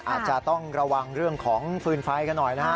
อาจจะต้องระวังเรื่องของฟืนไฟกันหน่อยนะฮะ